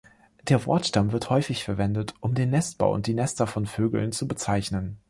Der Wortstamm wird häufig verwendet, um den Nestbau und die Nester von Vögeln zu bezeichnen.